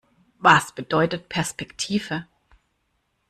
Was bedeutet Perspektive?